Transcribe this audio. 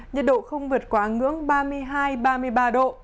nhiệt độ không vượt quá ngưỡng ba mươi hai ba mươi ba độ